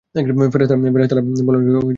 ফেরেশতারা বলেনঃ জাহান্নাম থেকে।